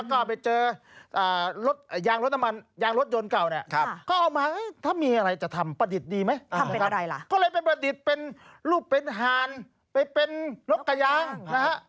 เขาเลยเป็นบรรดิษฐ์เป็นรูปเป็นหานเป็นนกกะยางนะครับ